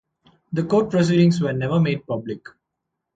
The court proceedings were never made public.